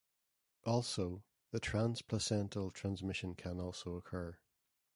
Also, the transplacental transmission can also occur.